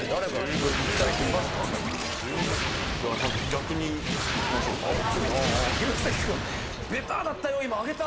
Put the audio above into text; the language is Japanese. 逆に、いきましょうか、僕。